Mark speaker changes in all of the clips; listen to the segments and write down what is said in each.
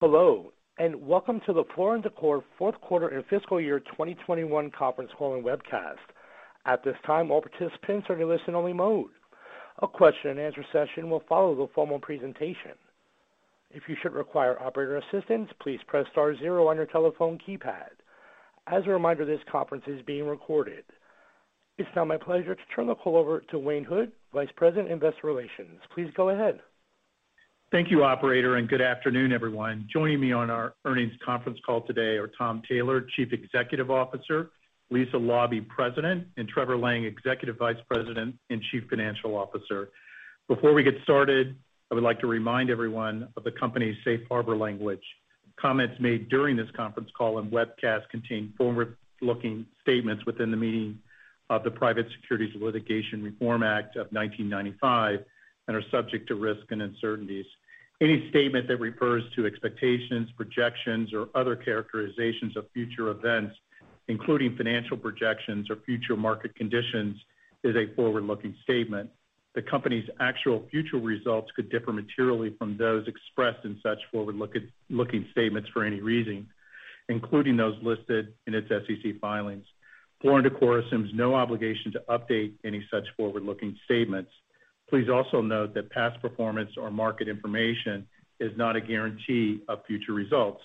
Speaker 1: Hello, and welcome to the Floor & Decor 4th Quarter and Fiscal Year 2021 Conference Call and Webcast. At this time, all participants are in listen-only mode. A question-and-answer session will follow the formal presentation. If you should require operator assistance, please press star zero on your telephone keypad. As a reminder, this conference is being recorded. It's now my pleasure to turn the call over to Wayne Hood, Vice President, Investor Relations. Please go ahead.
Speaker 2: Thank you, operator, and good afternoon, everyone. Joining me on our earnings conference call today are Tom Taylor, Chief Executive Officer, Lisa Laube, President, and Trevor Lang, Executive Vice President and Chief Financial Officer. Before we get started, I would like to remind everyone of the company's safe harbor language. Comments made during this conference call and webcast contain forward-looking statements within the meaning of the Private Securities Litigation Reform Act of 1995 and are subject to risk and uncertainties. Any statement that refers to expectations, projections, or other characterizations of future events, including financial projections or future market conditions, is a forward-looking statement. The Company's actual future results could differ materially from those expressed in such forward-looking statements for any reason, including those listed in its SEC filings. Floor & Decor assumes no obligation to update any such forward-looking statements. Please also note that past performance or market information is not a guarantee of future results.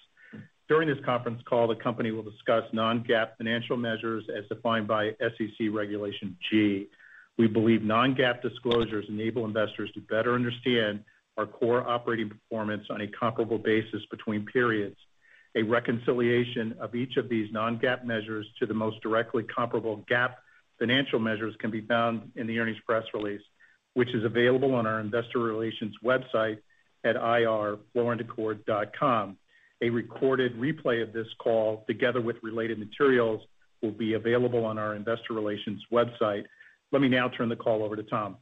Speaker 2: During this conference call, the company will discuss non-GAAP financial measures as defined by SEC Regulation G. We believe non-GAAP disclosures enable investors to better understand our core operating performance on a comparable basis between periods. A reconciliation of each of these non-GAAP measures to the most directly comparable GAAP financial measures can be found in the earnings press release, which is available on our investor relations website at ir.flooranddecor.com. A recorded replay of this call, together with related materials, will be available on our investor relations website. Let me now turn the call over to Tom.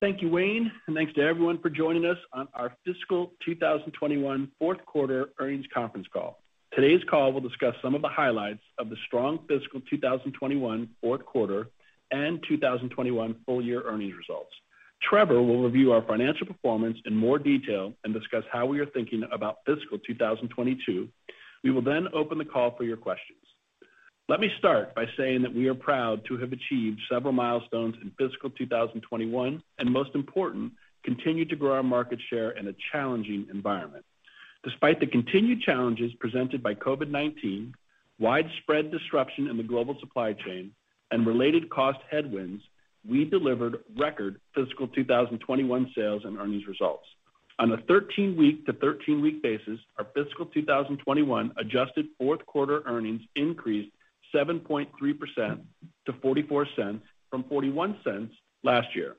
Speaker 1: Thank you, Wayne, and thanks to everyone for joining us on our Fiscal 2021 4th Quarter Earnings Conference Call. Today's call will discuss some of the highlights of the strong fiscal 2021 4th quarter and 2021 full year earnings results. Trevor will review our financial performance in more detail and discuss how we are thinking about fiscal 2022. We will then open the call for your questions. Let me start by saying that we are proud to have achieved several milestones in fiscal 2021 and most important, continue to grow our market share in a challenging environment. Despite the continued challenges presented by COVID-19, widespread disruption in the global supply chain and related cost headwinds, we delivered record fiscal 2021 sales and earnings results. On a 13-week to 13-week basis, our fiscal 2021 adjusted 4th quarter earnings increased 7.3% to $0.44 from $0.41 last year.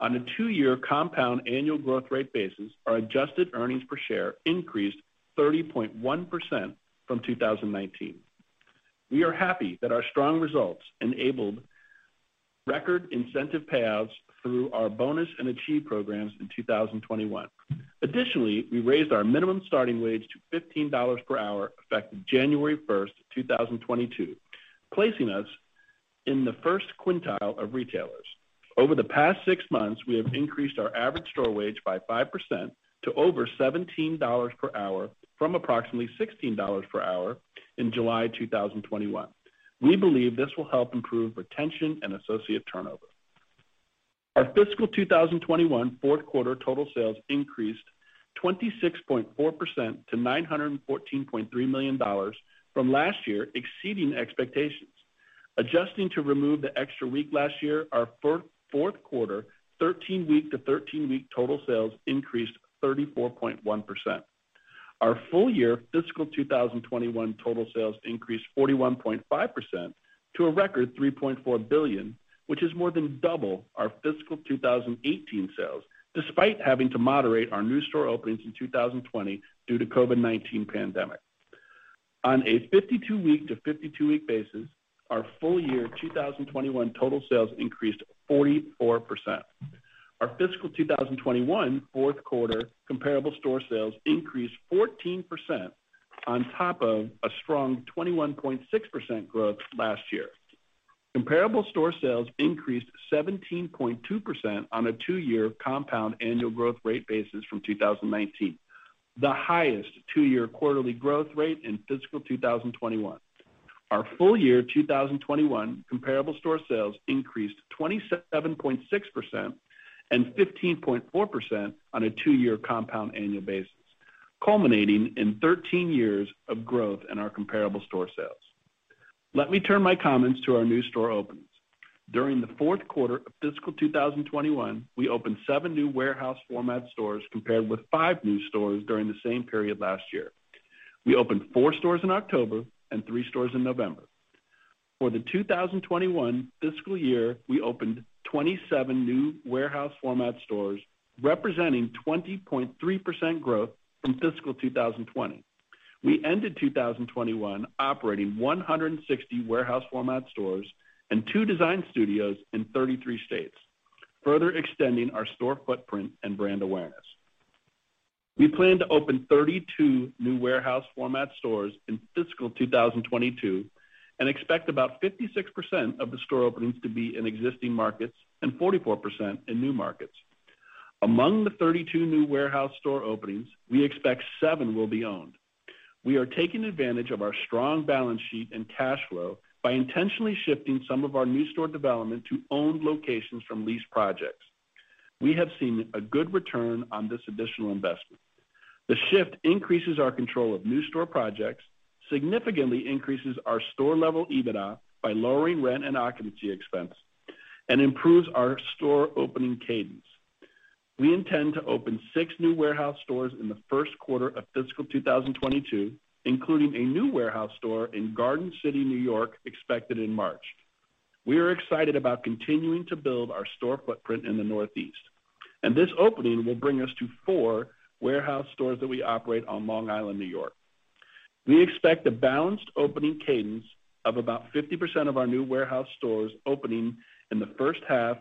Speaker 1: On a 2-year compound annual growth rate basis, our adjusted earnings per share increased 30.1% from 2019. We are happy that our strong results enabled record incentive payouts through our bonus and equity programs in 2021. We raised our minimum starting wage to $15 per hour, effective January 1st, 2022, placing us in the first quintile of retailers. Over the past 6 months, we have increased our average store wage by 5% to over $17 per hour from approximately $16 per hour in July 2021. We believe this will help improve retention and associate turnover. Our fiscal 2021 4th quarter total sales increased 26.4% to $914.3 million from last year, exceeding expectations. Adjusting to remove the extra week last year, our 4th quarter, 13-week to 13-week total sales increased 34.1%. Our full year fiscal 2021 total sales increased 41.5% to a record $3.4 billion, which is more than double our fiscal 2018 sales, despite having to moderate our new store openings in 2020 due to COVID-19 pandemic. On a 52-week to 52-week basis, our full year 2021 total sales increased 44%. Our fiscal 2021 4th quarter comparable store sales increased 14% on top of a strong 21.6% growth last year. Comparable store sales increased 17.2% on a 2-year compound annual growth rate basis from 2019, the highest 2-year quarterly growth rate in fiscal 2021. Our full year 2021 comparable store sales increased 27.6% and 15.4% on a 2-year compound annual basis, culminating in 13 years of growth in our comparable store sales. Let me turn my comments to our new store openings. During the 4th quarter of fiscal 2021, we opened 7 new warehouse format stores compared with 5 new stores during the same period last year. We opened 4 stores in October and 3 stores in November. For the 2021 fiscal year, we opened 27 new warehouse format stores, representing 20.3% growth from fiscal 2020. We ended 2021 operating 160 warehouse format stores and two design studios in 33 states, further extending our store footprint and brand awareness. We plan to open 32 new warehouse format stores in fiscal 2022 and expect about 56% of the store openings to be in existing markets and 44% in new markets. Among the 32 new warehouse store openings, we expect seven will be owned. We are taking advantage of our strong balance sheet and cash flow by intentionally shifting some of our new store development to owned locations from lease projects. We have seen a good return on this additional investment. The shift increases our control of new store projects, significantly increases our store level EBITDA by lowering rent and occupancy expense, and improves our store opening cadence. We intend to open 6 new warehouse stores in the 1st quarter of fiscal 2022, including a new warehouse store in Garden City, New York, expected in March. We are excited about continuing to build our store footprint in the Northeast, and this opening will bring us to 4 warehouse stores that we operate on Long Island, New York. We expect a balanced opening cadence of about 50% of our new warehouse stores opening in the first half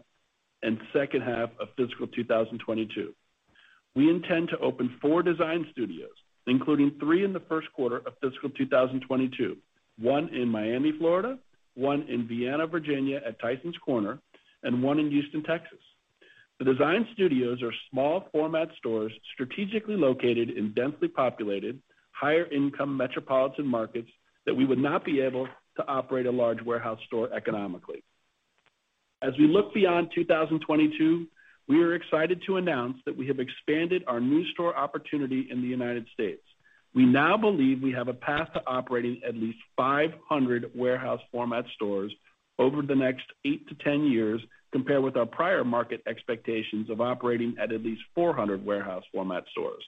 Speaker 1: and second half of fiscal 2022. We intend to open 4 design studios, including 3 in the 1st quarter of fiscal 2022. One in Miami, Florida, one in Vienna, Virginia, at Tysons Corner, and one in Houston, Texas. The design studios are small format stores strategically located in densely populated, higher income metropolitan markets that we would not be able to operate a large warehouse store economically. As we look beyond 2022, we are excited to announce that we have expanded our new store opportunity in the United States. We now believe we have a path to operating at least 500 warehouse format stores over the next 8-10 years, compared with our prior market expectations of operating at least 400 warehouse format stores.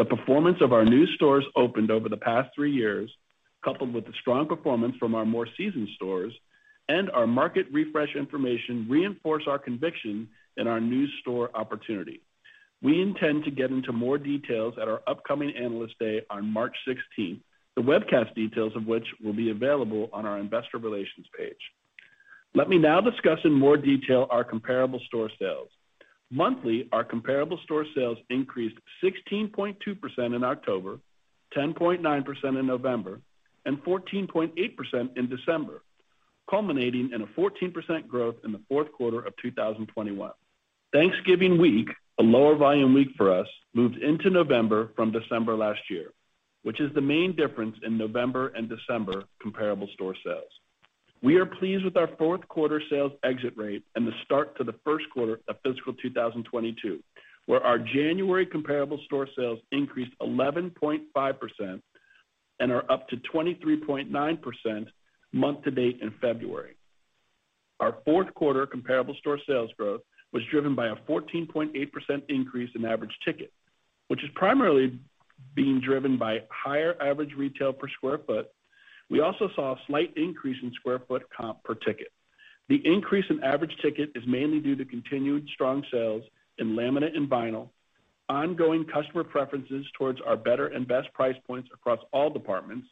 Speaker 1: The performance of our new stores opened over the past 3 years, coupled with the strong performance from our more seasoned stores and our market refresh information, reinforce our conviction in our new store opportunity. We intend to get into more details at our upcoming Analyst Day on March 16, the webcast details of which will be available on our investor relations page. Let me now discuss in more detail our comparable store sales. Monthly, our comparable store sales increased 16.2% in October, 10.9% in November, and 14.8% in December, culminating in a 14% growth in the 4th quarter of 2021. Thanksgiving week, a lower volume week for us, moved into November from December last year, which is the main difference in November and December comparable store sales. We are pleased with our 4th quarter sales exit rate and the start to the 1st quarter of fiscal 2022, where our January comparable store sales increased 11.5% and are up 23.9% month to date in February. Our 4th quarter comparable store sales growth was driven by a 14.8% increase in average ticket, which is primarily being driven by higher average retail per sq ft. We also saw a slight increase in sq ft comp per ticket. The increase in average ticket is mainly due to continued strong sales in laminate and vinyl, ongoing customer preferences towards our better and best price points across all departments,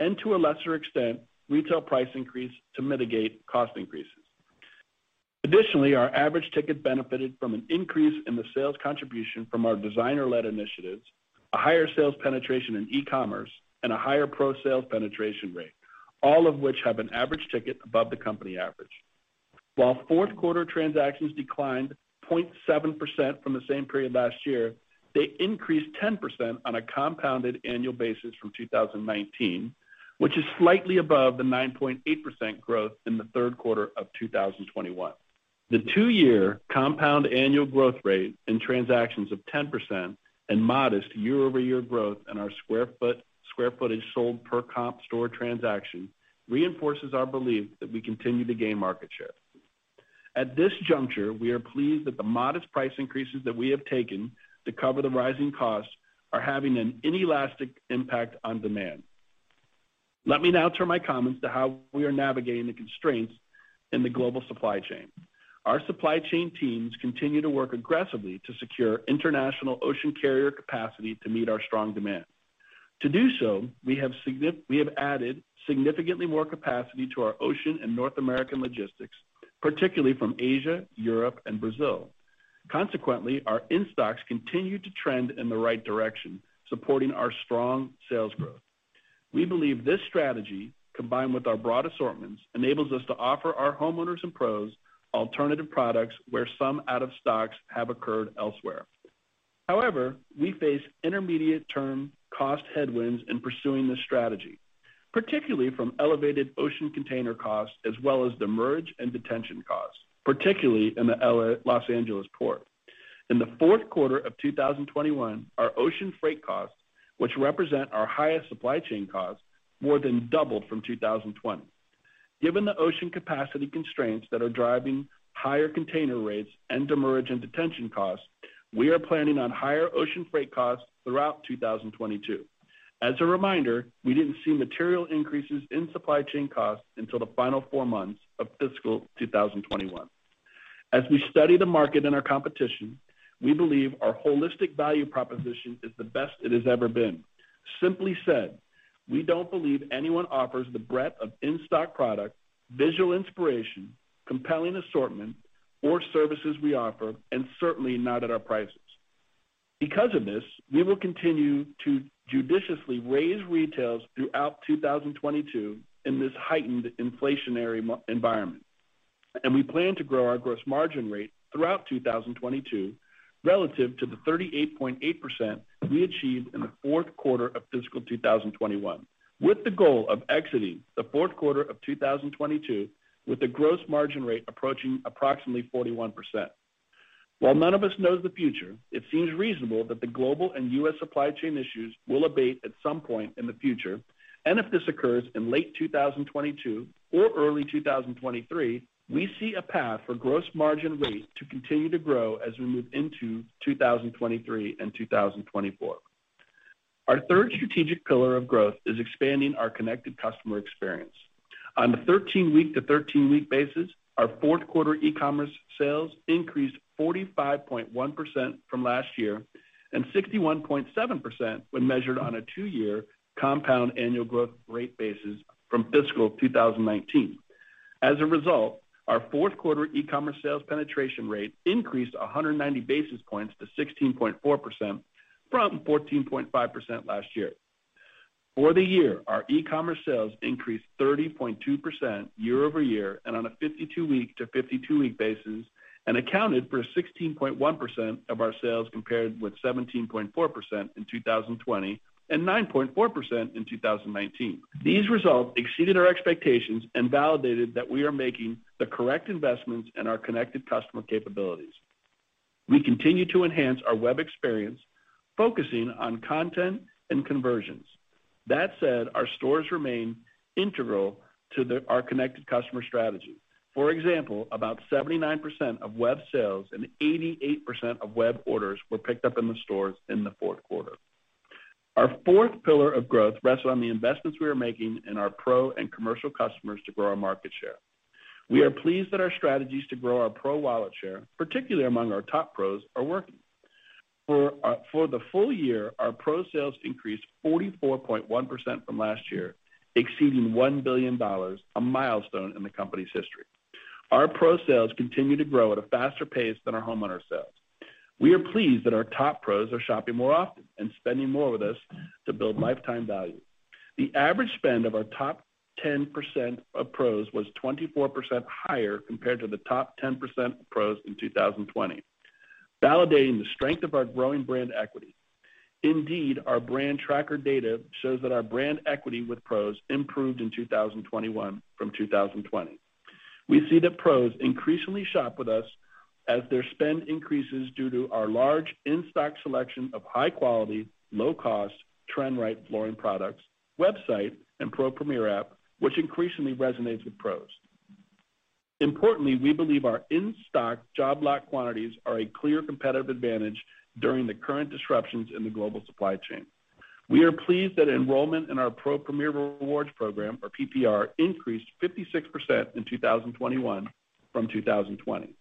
Speaker 1: and to a lesser extent, retail price increase to mitigate cost increases. Additionally, our average ticket benefited from an increase in the sales contribution from our designer-led initiatives, a higher sales penetration in e-commerce and a higher pro sales penetration rate, all of which have an average ticket above the company average. While 4th quarter transactions declined 0.7% from the same period last year, they increased 10% on a compounded annual basis from 2019, which is slightly above the 9.8% growth in the 3rd quarter of 2021. The two-year compound annual growth rate in transactions of 10% and modest year-over-year growth in our square footage sold per comp store transaction reinforces our belief that we continue to gain market share. At this juncture, we are pleased that the modest price increases that we have taken to cover the rising costs are having an inelastic impact on demand. Let me now turn my comments to how we are navigating the constraints in the global supply chain. Our supply chain teams continue to work aggressively to secure international ocean carrier capacity to meet our strong demand. To do so, we have added significantly more capacity to our ocean and North American logistics, particularly from Asia, Europe and Brazil. Consequently, our in-stocks continue to trend in the right direction, supporting our strong sales growth. We believe this strategy, combined with our broad assortments, enables us to offer our homeowners and pros alternative products where some out of stocks have occurred elsewhere. However, we face intermediate term cost headwinds in pursuing this strategy, particularly from elevated ocean container costs as well as demurrage and detention costs, particularly in the Los Angeles Port. In the 4th quarter of 2021, our ocean freight costs, which represent our highest supply chain costs, more than doubled from 2020. Given the ocean capacity constraints that are driving higher container rates and demurrage and detention costs, we are planning on higher ocean freight costs throughout 2022. As a reminder, we didn't see material increases in supply chain costs until the final 4 months of fiscal 2021. As we study the market and our competition, we believe our holistic value proposition is the best it has ever been. Simply said, we don't believe anyone offers the breadth of in-stock product, visual inspiration, compelling assortment or services we offer, and certainly not at our price point. Because of this, we will continue to judiciously raise retails throughout 2022 in this heightened inflationary macro environment. We plan to grow our gross margin rate throughout 2022 relative to the 38.8% we achieved in the 4th quarter of fiscal 2021, with the goal of exiting the 4th quarter of 2022 with the gross margin rate approaching approximately 41%. While none of us knows the future, it seems reasonable that the global and U.S. supply chain issues will abate at some point in the future. If this occurs in late 2022 or early 2023, we see a path for gross margin rate to continue to grow as we move into 2023 and 2024. Our third strategic pillar of growth is expanding our connected customer experience. On the 13-week to 13-week basis, our 4th quarter e-commerce sales increased 45.1% from last year and 61.7% when measured on a 2-year compound annual growth rate basis from fiscal 2019. As a result, our 4th quarter e-commerce sales penetration rate increased 190 basis points to 16.4% from 14.5% last year. For the year, our e-commerce sales increased 30.2% year-over-year and on a 52-week to 52-week basis, and accounted for 16.1% of our sales, compared with 17.4% in 2020 and 9.4% in 2019. These results exceeded our expectations and validated that we are making the correct investments in our connected customer capabilities. We continue to enhance our web experience, focusing on content and conversions. That said, our stores remain integral to our connected customer strategy. For example, about 79% of web sales and 88% of web orders were picked up in the stores in the 4th quarter. Our 4th pillar of growth rests on the investments we are making in our pro and commercial customers to grow our market share. We are pleased that our strategies to grow our pro wallet share, particularly among our top pros, are working. For the full year, our pro sales increased 44.1% from last year, exceeding $1 billion, a milestone in the company's history. Our pro sales continue to grow at a faster pace than our homeowner sales. We are pleased that our top pros are shopping more often and spending more with us to build lifetime value. The average spend of our top 10% of pros was 24% higher compared to the top 10% of pros in 2020, validating the strength of our growing brand equity. Indeed, our brand tracker data shows that our brand equity with pros improved in 2021 from 2020. We see that pros increasingly shop with us as their spend increases due to our large in-stock selection of high quality, low cost, trend right flooring products, website, and PRO Premier app, which increasingly resonates with pros. Importantly, we believe our in-stock job lock quantities are a clear competitive advantage during the current disruptions in the global supply chain. We are pleased that enrollment in our PRO Premier Rewards program, or PPR, increased 56% in 2021 from 2020.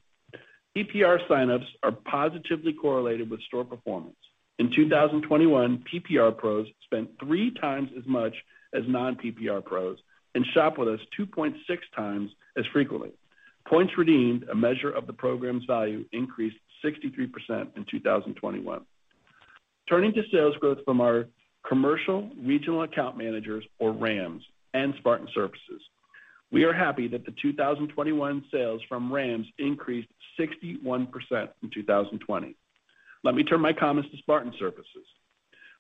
Speaker 1: PPR sign-ups are positively correlated with store performance. In 2021, PPR pros spent 3 times as much as non-PPR pros and shop with us 2.6 times as frequently. Points redeemed, a measure of the program's value, increased 63% in 2021. Turning to sales growth from our commercial regional account managers, or RAMs, and Spartan Surfaces. We are happy that the 2021 sales from RAMs increased 61% in 2020. Let me turn my comments to Spartan Surfaces.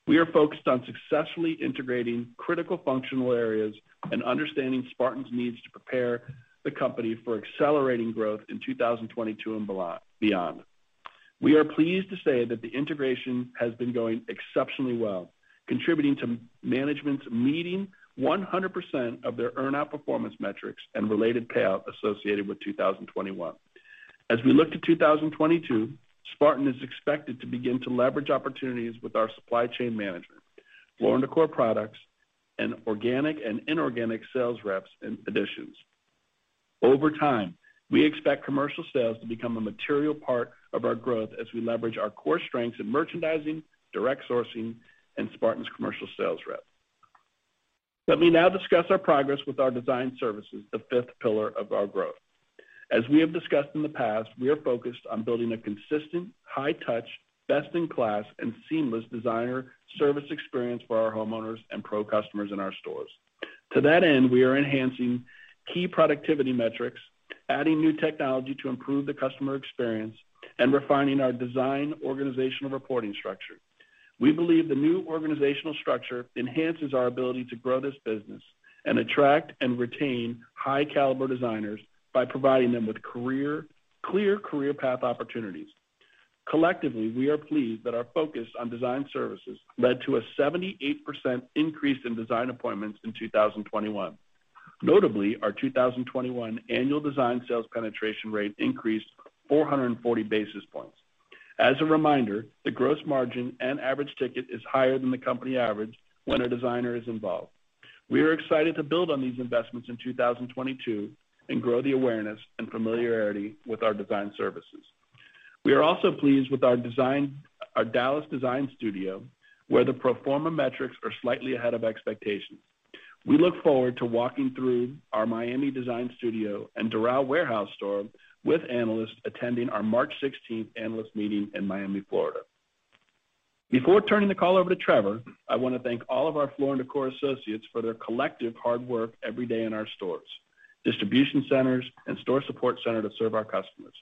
Speaker 1: We are focused on successfully integrating critical functional areas and understanding Spartan's needs to prepare the company for accelerating growth in 2022 and beyond. We are pleased to say that the integration has been going exceptionally well, contributing to management's meeting 100% of their earn-out performance metrics and related payout associated with 2021. As we look to 2022, Spartan is expected to begin to leverage opportunities with our supply chain management, Floor & Decor products, and organic and inorganic sales reps in addition. Over time, we expect commercial sales to become a material part of our growth as we leverage our core strengths in merchandising, direct sourcing, and Spartan's commercial sales rep. Let me now discuss our progress with our design services, the fifth pillar of our growth. As we have discussed in the past, we are focused on building a consistent, high touch, best in class, and seamless designer service experience for our homeowners and pro customers in our stores. To that end, we are enhancing key productivity metrics, adding new technology to improve the customer experience, and refining our design organizational reporting structure. We believe the new organizational structure enhances our ability to grow this business and attract and retain high caliber designers by providing them with clear career path opportunities. Collectively, we are pleased that our focus on design services led to a 78% increase in design appointments in 2021. Notably, our 2021 annual design sales penetration rate increased 440 basis points. As a reminder, the gross margin and average ticket is higher than the company average when a designer is involved. We are excited to build on these investments in 2022 and grow the awareness and familiarity with our design services. We are also pleased with our design, our Dallas design studio, where the pro forma metrics are slightly ahead of expectations. We look forward to walking through our Miami design studio and Doral warehouse store with analysts attending our March 16 analyst meeting in Miami, Florida. Before turning the call over to Trevor, I wanna thank all of our Floor & Decor associates for their collective hard work every day in our stores, distribution centers, and store support center to serve our customers.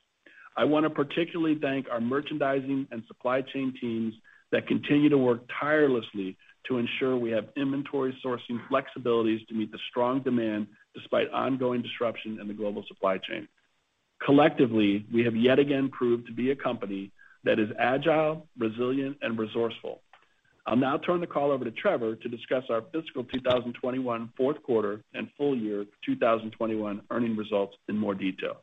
Speaker 1: I wanna particularly thank our merchandising and supply chain teams that continue to work tirelessly to ensure we have inventory sourcing flexibilities to meet the strong demand despite ongoing disruption in the global supply chain. Collectively, we have yet again proved to be a company that is agile, resilient, and resourceful. I'll now turn the call over to Trevor to discuss our fiscal 2021 4th quarter and full year 2021 earnings results in more detail.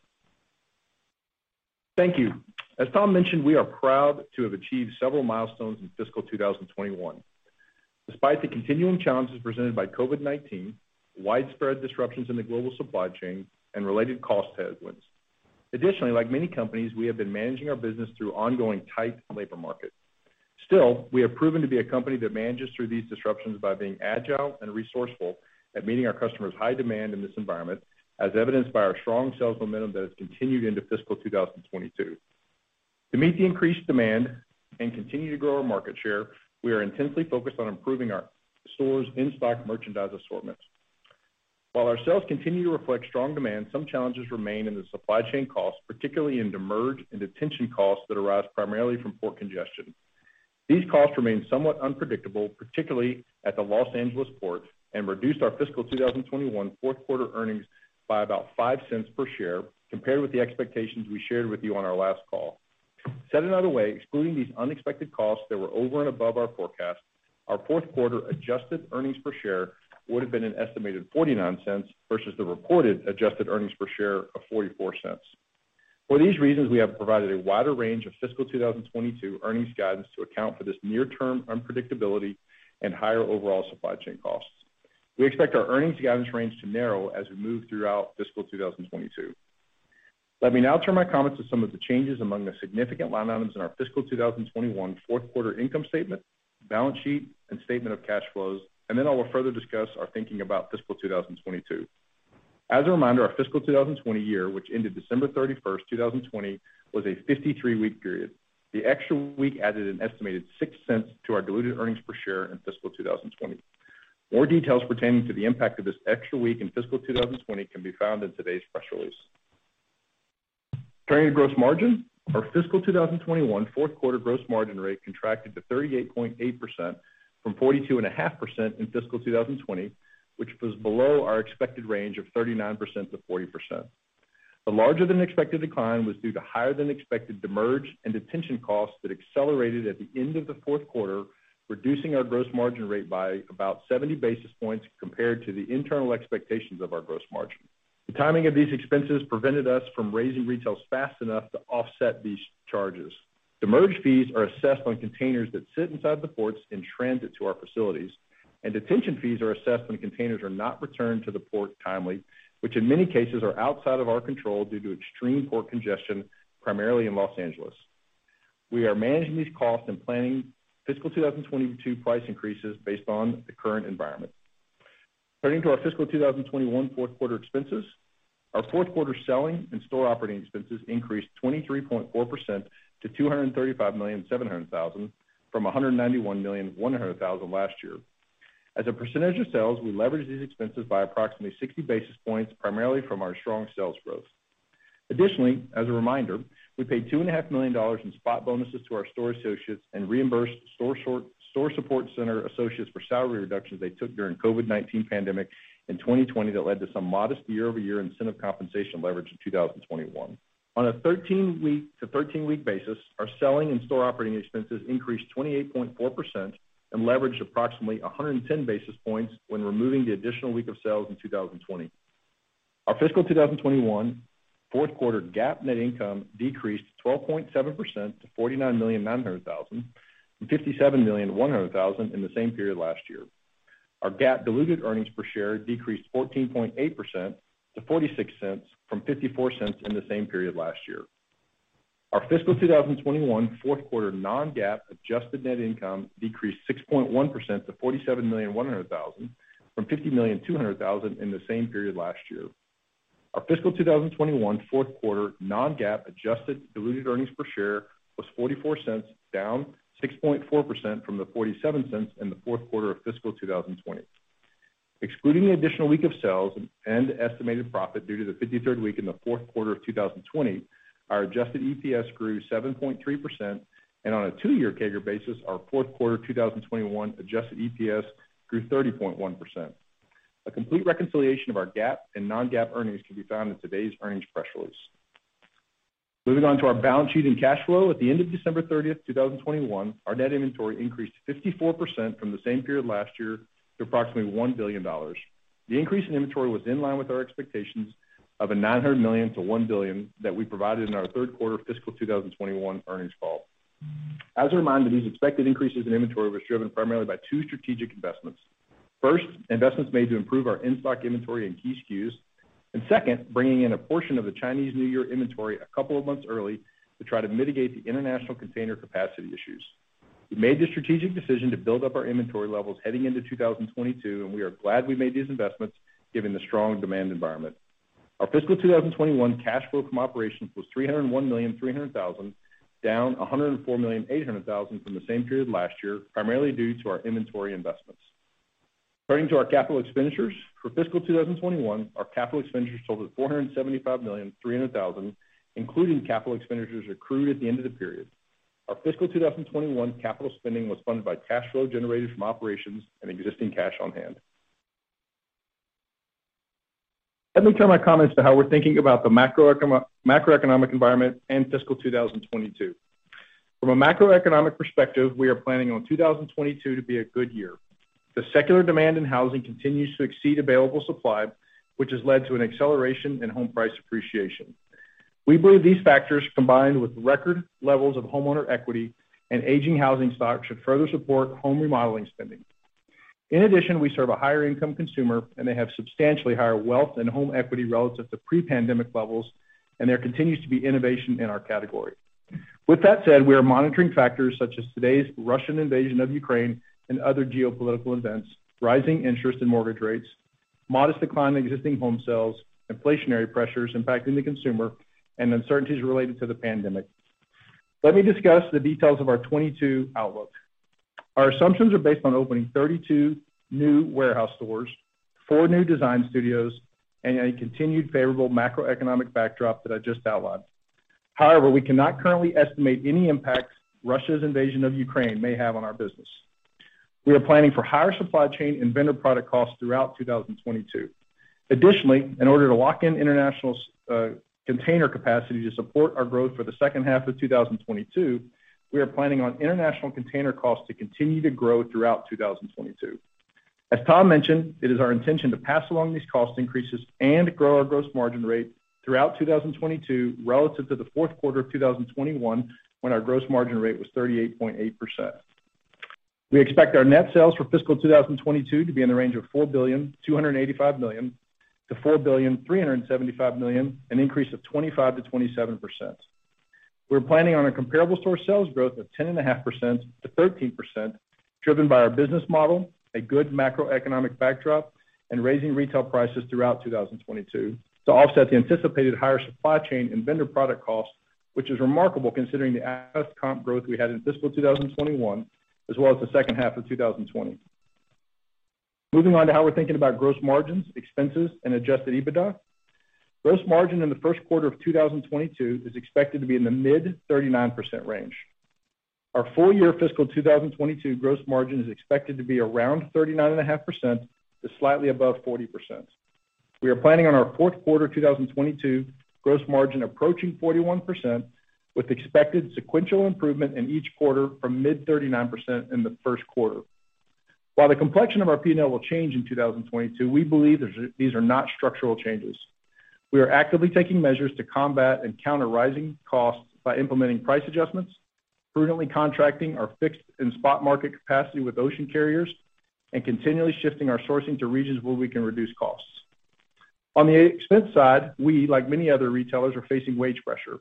Speaker 3: Thank you. As Tom mentioned, we are proud to have achieved several milestones in fiscal 2021 despite the continuing challenges presented by COVID-19, widespread disruptions in the global supply chain, and related cost headwinds. Additionally, like many companies, we have been managing our business through ongoing tight labor market. Still, we have proven to be a company that manages through these disruptions by being agile and resourceful at meeting our customers' high demand in this environment, as evidenced by our strong sales momentum that has continued into fiscal 2022. To meet the increased demand and continue to grow our market share, we are intensely focused on improving our stores' in-stock merchandise assortments. While our sales continue to reflect strong demand, some challenges remain in the supply chain costs, particularly in demurrage and detention costs that arise primarily from port congestion. These costs remain somewhat unpredictable, particularly at the Los Angeles port, and reduced our fiscal 2021 4th quarter earnings by about $0.05 per share compared with the expectations we shared with you on our last call. Said another way, excluding these unexpected costs that were over and above our forecast, our 4th quarter adjusted earnings per share would have been an estimated $0.49 versus the reported adjusted earnings per share of $0.44. For these reasons, we have provided a wider range of fiscal 2022 earnings guidance to account for this near-term unpredictability and higher overall supply chain costs. We expect our earnings guidance range to narrow as we move throughout fiscal 2022. Let me now turn my comments to some of the changes among the significant line items in our fiscal 2021 4th quarter income statement, balance sheet, and statement of cash flows, and then I will further discuss our thinking about fiscal 2022. As a reminder, our fiscal 2020 year, which ended December 31st, 2020, was a 53-week period. The extra week added an estimated $0.06 to our diluted earnings per share in fiscal 2020. More details pertaining to the impact of this extra week in fiscal 2020 can be found in today's press release. Turning to gross margin. Our fiscal 2021 4th quarter gross margin rate contracted to 38.8% from 42.5% in fiscal 2020, which was below our expected range of 39%-40%. The larger than expected decline was due to higher than expected demurrage and detention costs that accelerated at the end of the 4th quarter, reducing our gross margin rate by about 70 basis points compared to the internal expectations of our gross margin. The timing of these expenses prevented us from raising retail fast enough to offset these charges. Demurrage fees are assessed on containers that sit inside the ports in transit to our facilities, and detention fees are assessed when containers are not returned to the port timely, which in many cases are outside of our control due to extreme port congestion, primarily in Los Angeles. We are managing these costs and planning fiscal 2022 price increases based on the current environment. Turning to our fiscal 2021 4th quarter expenses. Our 4th quarter selling and store operating expenses increased 23.4% to $235.7 million from $191.1 million last year. As a percentage of sales, we leveraged these expenses by approximately 60 basis points, primarily from our strong sales growth. Additionally, as a reminder, we paid $2.5 million in spot bonuses to our store associates and reimbursed store support center associates for salary reductions they took during COVID-19 pandemic in 2020 that led to some modest year-over-year incentive compensation leverage in 2021. On a 13-week to 13-week basis, our selling and store operating expenses increased 28.4% and leveraged approximately 110 basis points when removing the additional week of sales in 2020. Our fiscal 2021 4th quarter GAAP net income decreased 12.7% to $49.9 million from $57.1 million in the same period last year. Our GAAP diluted earnings per share decreased 14.8% to $0.46 from $0.54 in the same period last year. Our fiscal 2021 4th quarter non-GAAP adjusted net income decreased 6.1% to $47.1 million from $50.2 million in the same period last year. Our fiscal 2021 4th quarter non-GAAP adjusted diluted earnings per share was $0.44, down 6.4% from the $0.47 in the 4th quarter of fiscal 2020. Excluding the additional week of sales and estimated profit due to the 53rd week in the 4th quarter of 2020, our adjusted EPS grew 7.3%, and on a 2-year CAGR basis, our 4th quarter 2021 adjusted EPS grew 30.1%. A complete reconciliation of our GAAP and non-GAAP earnings can be found in today's earnings press release. Moving on to our balance sheet and cash flow. At the end of December 30, 2021, our net inventory increased 54% from the same period last year to approximately $1 billion. The increase in inventory was in line with our expectations of $900 million-$1 billion that we provided in our 3rd quarter fiscal 2021 earnings call. As a reminder, these expected increases in inventory was driven primarily by two strategic investments. First, investments made to improve our in-stock inventory and key SKUs. And second, bringing in a portion of the Chinese New Year inventory a couple of months early to try to mitigate the international container capacity issues. We made the strategic decision to build up our inventory levels heading into 2022, and we are glad we made these investments given the strong demand environment. Our fiscal 2021 cash flow from operations was $301,300,000, down $104,800,000 from the same period last year, primarily due to our inventory investments. Turning to our capital expenditures. For fiscal 2021, our capital expenditures totaled $475.3 million, including capital expenditures accrued at the end of the period. Our fiscal 2021 capital spending was funded by cash flow generated from operations and existing cash on hand. Let me turn my comments to how we're thinking about the macroeconomic environment in fiscal 2022. From a macroeconomic perspective, we are planning on 2022 to be a good year. The secular demand in housing continues to exceed available supply, which has led to an acceleration in home price appreciation. We believe these factors, combined with record levels of homeowner equity and aging housing stock, should further support home remodeling spending. In addition, we serve a higher income consumer, and they have substantially higher wealth and home equity relative to pre-pandemic levels, and there continues to be innovation in our category. With that said, we are monitoring factors such as today's Russian invasion of Ukraine and other geopolitical events, rising interest and mortgage rates, modest decline in existing home sales, inflationary pressures impacting the consumer, and uncertainties related to the pandemic. Let me discuss the details of our 2022 outlook. Our assumptions are based on opening 32 new warehouse stores, four new design studios, and a continued favorable macroeconomic backdrop that I just outlined. However, we cannot currently estimate any impact Russia's invasion of Ukraine may have on our business. We are planning for higher supply chain and vendor product costs throughout 2022. Additionally, in order to lock in international container capacity to support our growth for the second half of 2022, we are planning on international container costs to continue to grow throughout 2022. As Tom mentioned, it is our intention to pass along these cost increases and grow our gross margin rate throughout 2022 relative to the 4th quarter of 2021, when our gross margin rate was 38.8%. We expect our net sales for fiscal 2022 to be in the range of $4,285,000,000-$4,375,000,000, an increase of 25%-27%. We're planning on a comparable store sales growth of 10.5%-13%, driven by our business model, a good macroeconomic backdrop, and raising retail prices throughout 2022 to offset the anticipated higher supply chain and vendor product costs, which is remarkable considering the adjusted comp growth we had in fiscal 2021, as well as the second half of 2020. Moving on to how we're thinking about gross margins, expenses, and adjusted EBITDA. Gross margin in the 1st quarter of 2022 is expected to be in the mid-39% range. Our full year fiscal 2022 gross margin is expected to be around 39.5% to slightly above 40%. We are planning on our 4th quarter 2022 gross margin approaching 41%, with expected sequential improvement in each quarter from mid-39% in the 1st quarter. While the complexion of our P&L will change in 2022, we believe these are not structural changes. We are actively taking measures to combat and counter rising costs by implementing price adjustments, prudently contracting our fixed and spot market capacity with ocean carriers, and continually shifting our sourcing to regions where we can reduce costs. On the expense side, we, like many other retailers, are facing wage pressure.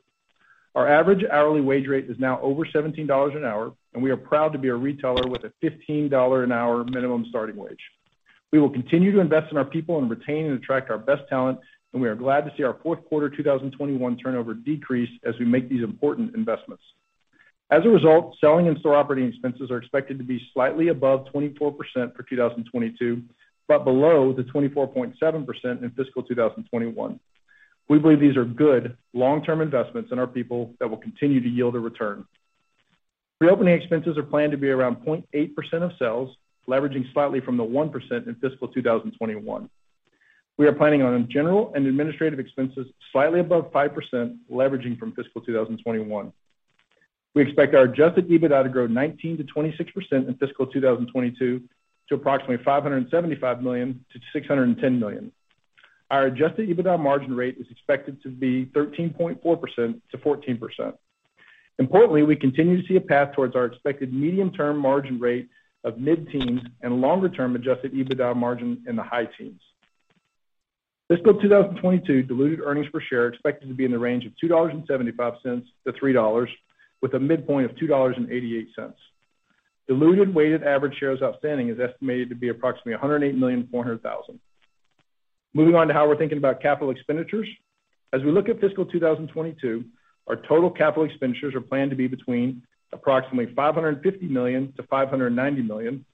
Speaker 3: Our average hourly wage rate is now over $17 an hour, and we are proud to be a retailer with a $15 an hour minimum starting wage. We will continue to invest in our people and retain and attract our best talent, and we are glad to see our 4th quarter 2021 turnover decrease as we make these important investments. As a result, selling and store operating expenses are expected to be slightly above 24% for 2022, but below the 24.7% in fiscal 2021. We believe these are good long-term investments in our people that will continue to yield a return. Reopening expenses are planned to be around 0.8% of sales, leveraging slightly from the 1% in fiscal 2021. We are planning on general and administrative expenses slightly above 5%, leveraging from fiscal 2021. We expect our adjusted EBITDA to grow 19%-26% in fiscal 2022 to approximately $575 million-$610 million. Our adjusted EBITDA margin rate is expected to be 13.4%-14%. Importantly, we continue to see a path towards our expected medium-term margin rate of mid-teens and longer-term adjusted EBITDA margin in the high teens. Fiscal 2022 diluted earnings per share are expected to be in the range of $2.75-$3, with a midpoint of $2.88. Diluted weighted average shares outstanding is estimated to be approximately 108.4 million. Moving on to how we're thinking about capital expenditures. As we look at fiscal 2022, our total capital expenditures are planned to be between approximately $550 million-$590 million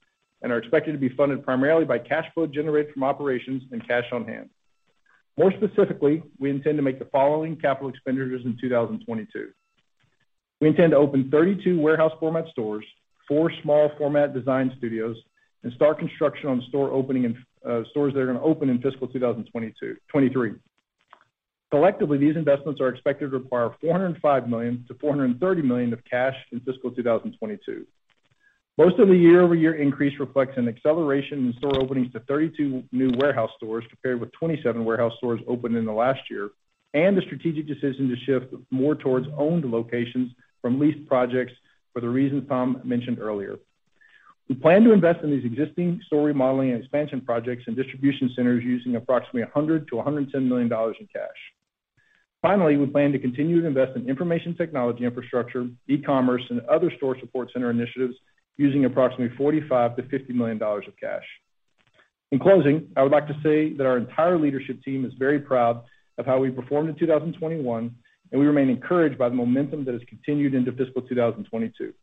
Speaker 3: and are expected to be funded primarily by cash flow generated from operations and cash on hand. More specifically, we intend to make the following capital expenditures in 2022. We intend to open 32 warehouse format stores, 4 small format design studios, and start construction on stores that are gonna open in fiscal 2023. Collectively, these investments are expected to require $405 million-$430 million of cash in fiscal 2022. Most of the year-over-year increase reflects an acceleration in store openings to 32 new warehouse stores, compared with 27 warehouse stores opened in the last year, and a strategic decision to shift more towards owned locations from leased projects for the reasons Tom mentioned earlier. We plan to invest in these existing store remodeling and expansion projects and distribution centers using approximately $100 million-$110 million in cash.
Speaker 1: Finally, we plan to continue to invest in information technology infrastructure, e-commerce, and other store support center initiatives using approximately $45 million-$50 million of cash. In closing, I would like to say that our entire leadership team is very proud of how we performed in 2021, and we remain encouraged by the momentum that has continued into fiscal 2022.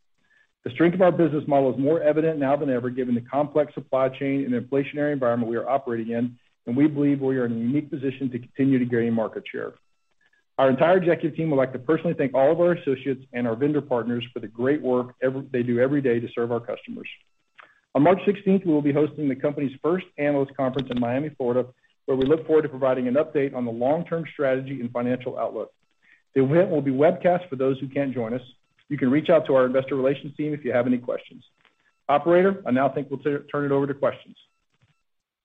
Speaker 1: The strength of our business model is more evident now than ever, given the complex supply chain and inflationary environment we are operating in, and we believe we are in a unique position to continue to gain market share. Our entire executive team would like to personally thank all of our associates and our vendor partners for the great work they do every day to serve our customers. On March sixteenth, we will be hosting the company's first analyst conference in Miami, Florida, where we look forward to providing an update on the long-term strategy and financial outlook. The event will be webcast for those who can't join us. You can reach out to our investor relations team if you have any questions. Operator, I now think we'll turn it over to questions.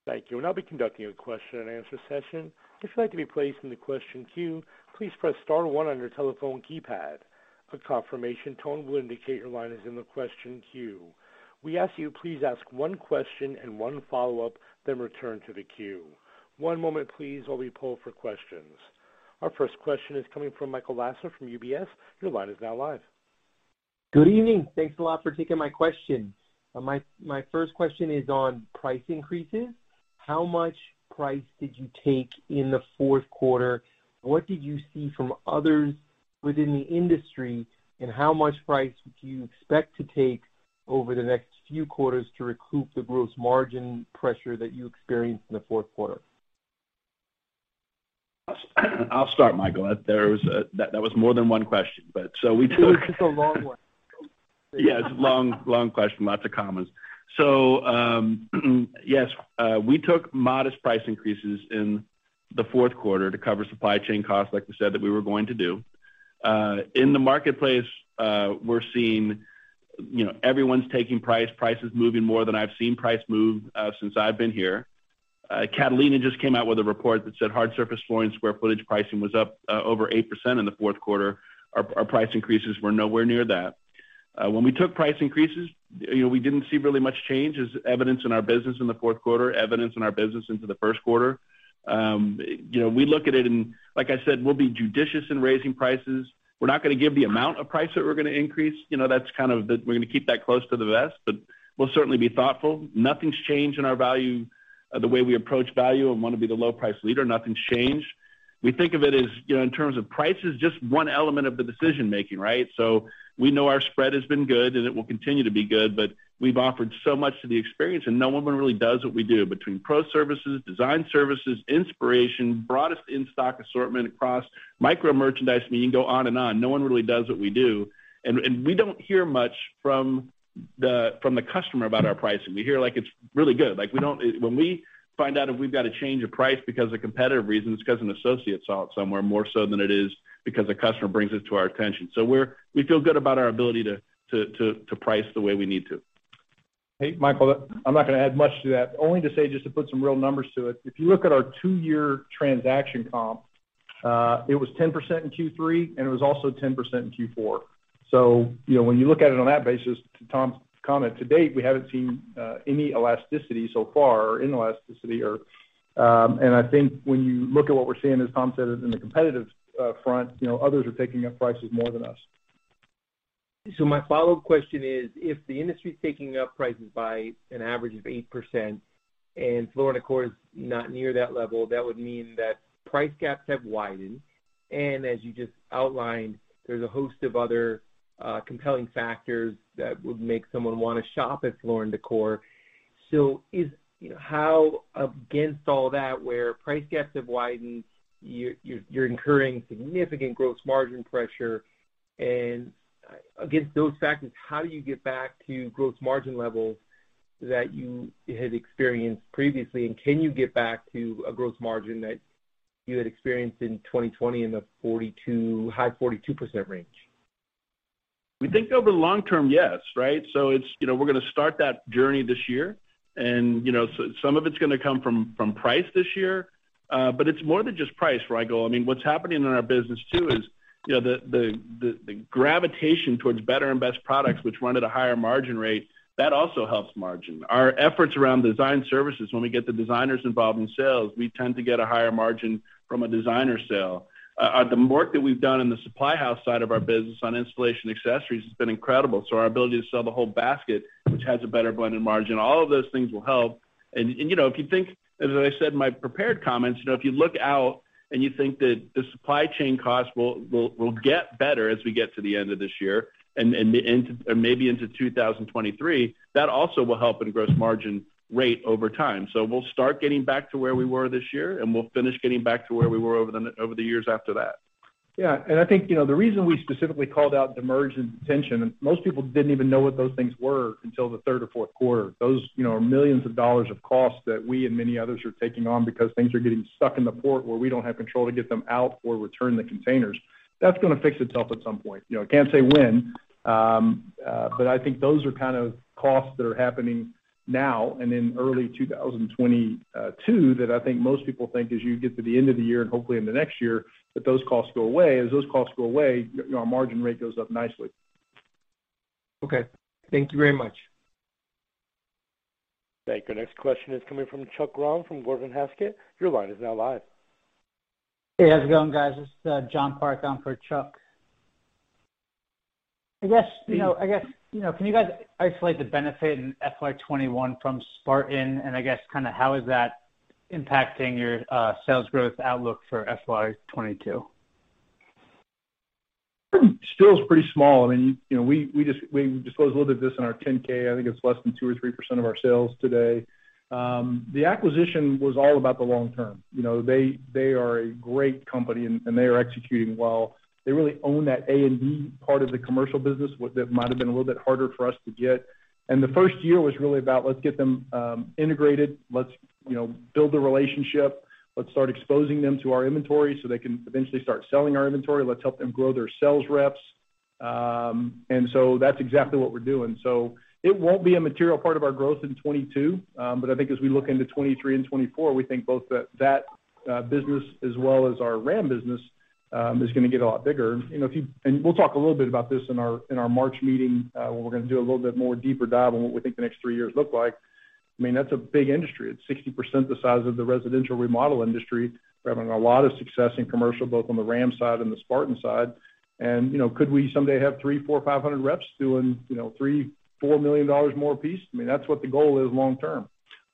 Speaker 4: Thank you. I'll be conducting a question and answer session. If you'd like to be placed in the question queue, please press star one on your telephone keypad. A confirmation tone will indicate your line is in the question queue. We ask you please ask one question and one follow-up, then return to the queue. One moment please while we poll for questions. Our first question is coming from Michael Lasser from UBS. Your line is now live.
Speaker 5: Good evening. Thanks a lot for taking my question. My first question is on price increases. How much price did you take in the 4th quarter? What did you see from others within the industry, and how much price do you expect to take over the next few quarters to recoup the gross margin pressure that you experienced in the 4th quarter?
Speaker 1: I'll start, Michael. There was that was more than one question, but so we took-
Speaker 5: It was just a long one.
Speaker 1: Yes. Long question. Lots of comments. Yes, we took modest price increases in the 4th quarter to cover supply chain costs like we said that we were going to do. In the marketplace, we're seeing, you know, everyone's taking price. Price is moving more than I've seen price move since I've been here. Catalina just came out with a report that said hard surface flooring square footage pricing was up over 8% in the 4th quarter. Our price increases were nowhere near that. When we took price increases, you know, we didn't see really much change as evidenced in our business in the 4th quarter, evidenced in our business into the 1st quarter. You know, we look at it and like I said, we'll be judicious in raising prices. We're not gonna give the amount of price that we're gonna increase. You know, that's kind of. We're gonna keep that close to the vest, but we'll certainly be thoughtful. Nothing's changed in our value, the way we approach value and wanna be the low price leader. Nothing's changed. We think of it as, you know, in terms of price is just one element of the decision-making, right? We know our spread has been good, and it will continue to be good, but we've offered so much to the experience, and no one really does what we do between pro services, design services, inspiration, broadest in-stock assortment across micro-merchandising. I mean, you can go on and on. No one really does what we do. We don't hear much from the customer about our pricing. We hear like it's really good. Like, when we find out if we've got to change a price because of competitive reasons, it's 'cause an associate saw it somewhere more so than it is because a customer brings it to our attention. We feel good about our ability to price the way we need to.
Speaker 3: Hey, Michael, I'm not gonna add much to that. Only to say, just to put some real numbers to it, if you look at our two-year transaction comp, it was 10% in Q3, and it was also 10% in Q4. You know, when you look at it on that basis, to Tom's comment, to date, we haven't seen any elasticity so far or inelasticity or. I think when you look at what we're seeing, as Tom said, in the competitive front, you know, others are taking up prices more than us.
Speaker 5: My follow-up question is, if the industry's taking up prices by an average of 8% and Floor & Decor is not near that level, that would mean that price gaps have widened. As you just outlined, there's a host of other compelling factors that would make someone wanna shop at Floor & Decor. How, against all that where price gaps have widened, you're incurring significant gross margin pressure. Against those factors, how do you get back to gross margin levels that you had experienced previously? Can you get back to a gross margin that you had experienced in 2020 in the 42, high 42% range?
Speaker 1: We think over the long term, yes, right? It's, you know, we're gonna start that journey this year. You know, some of it's gonna come from price this year. But it's more than just price, Michael. I mean, what's happening in our business too is, you know, the gravitation towards better and best products which run at a higher margin rate, that also helps margin. Our efforts around design services, when we get the designers involved in sales, we tend to get a higher margin from a designer sale. The work that we've done in the supply house side of our business on installation accessories has been incredible. Our ability to sell the whole basket, which has a better blended margin, all of those things will help. You know, if you think, as I said in my prepared comments, you know, if you look out and you think that the supply chain costs will get better as we get to the end of this year and into or maybe into 2023, that also will help in gross margin rate over time. We'll start getting back to where we were this year, and we'll finish getting back to where we were over the years after that.
Speaker 3: Yeah. I think, you know, the reason we specifically called out demurrage and detention, most people didn't even know what those things were until the 3rd or 4th quarter. Those, you know, are millions of dollars of costs that we and many others are taking on because things are getting stuck in the port where we don't have control to get them out or return the containers. That's gonna fix itself at some point. You know, I can't say when, but I think those are kind of costs that are happening now and in early 2022 that I think most people think as you get to the end of the year and hopefully in the next year, that those costs go away. As those costs go away, you know, our margin rate goes up nicely.
Speaker 5: Okay. Thank you very much.
Speaker 4: Thank you. Next question is coming from Chuck Grom from Gordon Haskett. Your line is now live.
Speaker 6: Hey, how's it going, guys? This is John Parke on for Chuck. I guess, you know, can you guys isolate the benefit in FY 2021 from Spartan? I guess kinda how is that impacting your sales growth outlook for FY 2022?
Speaker 3: Still is pretty small. I mean, you know, we just disclosed a little bit of this in our 10-K. I think it's less than 2%-3% of our sales today. The acquisition was all about the long term. You know, they are a great company and they are executing well. They really own that A and B part of the commercial business. That might have been a little bit harder for us to get. The first year was really about, let's get them integrated. Let's, you know, build the relationship. Let's start exposing them to our inventory so they can eventually start selling our inventory. Let's help them grow their sales reps. And so that's exactly what we're doing. It won't be a material part of our growth in 2022, but I think as we look into 2023 and 2024, we think both that business as well as our RAM business is gonna get a lot bigger. You know, we'll talk a little bit about this in our March meeting when we're gonna do a little bit more deeper dive on what we think the next three years look like. I mean, that's a big industry. It's 60% the size of the residential remodel industry. We're having a lot of success in commercial, both on the RAM side and the Spartan side. You know, could we someday have 300, 400, 500 reps doing, you know, $3-$4 million more apiece? I mean, that's what the goal is long term.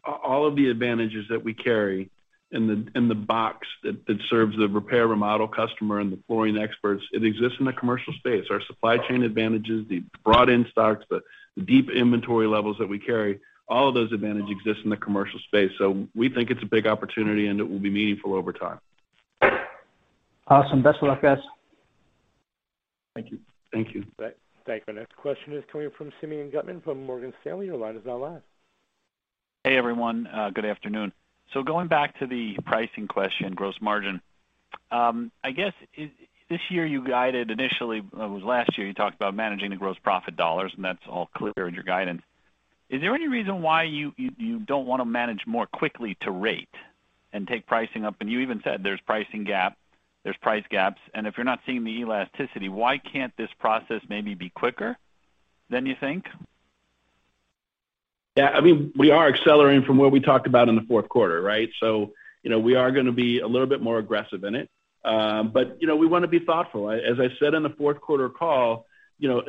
Speaker 1: All of the advantages that we carry in the box that serves the repair, remodel customer and the flooring experts, it exists in the commercial space. Our supply chain advantages, the broad in-stocks, the deep inventory levels that we carry, all of those advantages exist in the commercial space. We think it's a big opportunity, and it will be meaningful over time.
Speaker 6: Awesome. Best of luck, guys.
Speaker 3: Thank you.
Speaker 1: Thank you.
Speaker 4: Thank you. Our next question is coming from Simeon Gutman from Morgan Stanley. Your line is now live.
Speaker 7: Hey, everyone. Good afternoon. Going back to the pricing question, gross margin. I guess this year you guided initially. It was last year you talked about managing the gross profit dollars, and that's all clear in your guidance. Is there any reason why you don't wanna manage more quickly to rate and take pricing up? You even said there's pricing gap, there's price gaps, and if you're not seeing the elasticity, why can't this process maybe be quicker than you think?
Speaker 3: Yeah, I mean, we are accelerating from what we talked about in the 4th quarter, right? You know, we are gonna be a little bit more aggressive in it. You know, we wanna be thoughtful. As I said in the 4th quarter call, you know,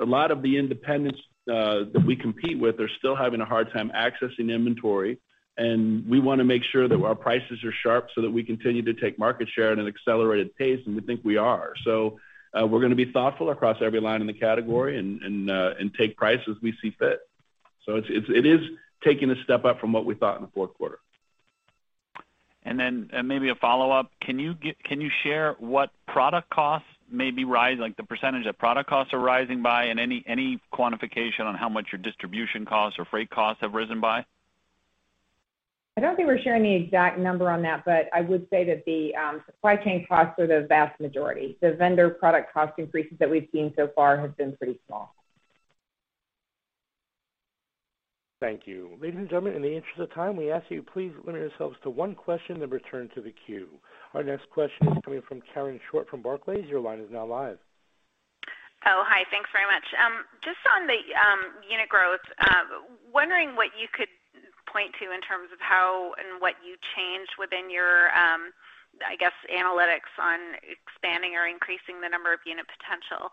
Speaker 3: a lot of the independents that we compete with are still having a hard time accessing inventory, and we wanna make sure that our prices are sharp so that we continue to take market share at an accelerated pace, and we think we are. We're gonna be thoughtful across every line in the category and take price as we see fit. It is taking a step up from what we thought in the 4th quarter.
Speaker 7: Maybe a follow-up. Can you share what product costs may be rising, like the percentage that product costs are rising by, and any quantification on how much your distribution costs or freight costs have risen by?
Speaker 8: I don't think we're sharing the exact number on that, but I would say that the supply chain costs are the vast majority. The vendor product cost increases that we've seen so far have been pretty small.
Speaker 7: Thank you.
Speaker 4: Ladies and gentlemen, in the interest of time, we ask that you please limit yourselves to one question, then return to the queue. Our next question is coming from Karen Short from Barclays. Your line is now live.
Speaker 9: Oh, hi. Thanks very much. Just on the unit growth, wondering what you could point to in terms of how and what you changed within your, I guess, analytics on expanding or increasing the number of unit potential.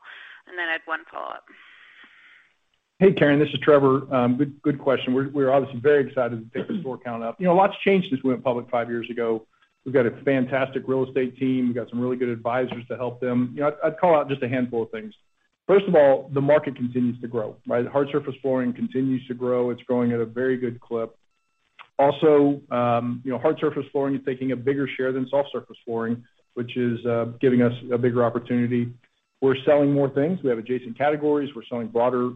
Speaker 9: Then I have one follow-up.
Speaker 3: Hey, Karen, this is Trevor. Good question. We're obviously very excited to take the store count up. You know, a lot's changed since we went public five years ago. We've got a fantastic real estate team. We've got some really good advisors to help them. You know, I'd call out just a handful of things. First of all, the market continues to grow, right? Hard surface flooring continues to grow. It's growing at a very good clip. Also, you know, hard surface flooring is taking a bigger share than soft surface flooring, which is giving us a bigger opportunity. We're selling more things. We have adjacent categories. We're selling broader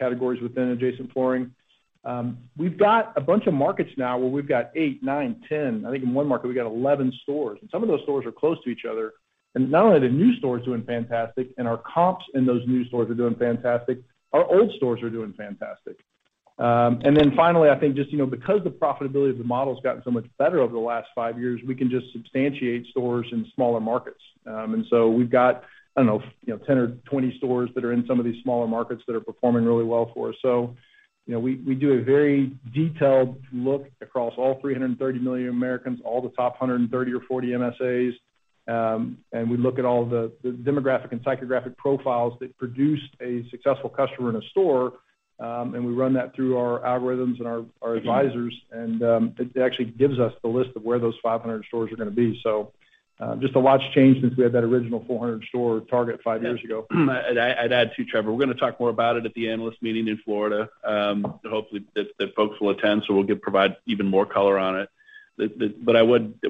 Speaker 3: categories within adjacent flooring. We've got a bunch of markets now where we've got 8, 9, 10. I think in one market, we got 11 stores, and some of those stores are close to each other. Not only are the new stores doing fantastic and our comps in those new stores are doing fantastic, our old stores are doing fantastic. Finally, I think just, you know, because the profitability of the model's gotten so much better over the last five years, we can just substantiate stores in smaller markets. We've got, I don't know, you know, 10 or 20 stores that are in some of these smaller markets that are performing really well for us. You know, we do a very detailed look across all 330 million Americans, all the top 130 or 140 MSAs, and we look at all the demographic and psychographic profiles that produce a successful customer in a store, and we run that through our algorithms and our advisors, and it actually gives us the list of where those 500 stores are gonna be. Just a lot's changed since we had that original 400 store target five years ago.
Speaker 1: I'd add, too, Trevor, we're gonna talk more about it at the analyst meeting in Florida, hopefully folks will attend, so we'll provide even more color on it.